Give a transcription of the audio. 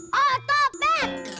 terus mau lepan